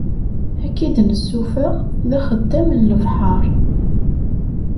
Ad k-id-nessufeɣ d axeddam n lebḥer.